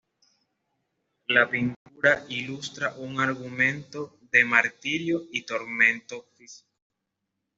La pintura ilustra un argumento de martirio y tormento físico.